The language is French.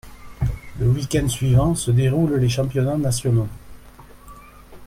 Le week-end suivant se déroule les championnats nationaux.